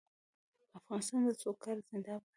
د افغانستان سوکالي زنده باد.